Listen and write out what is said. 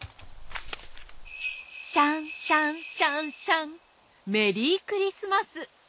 シャンシャンシャンシャンメリークリスマス！